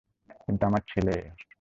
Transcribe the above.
কিন্তু আমার ছেলে ও।